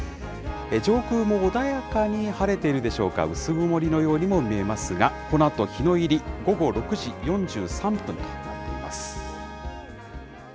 上空も穏やかに晴れているでしょうか、薄曇りのようにも見えますが、このあと、日の入り、午後６時４３分となっています。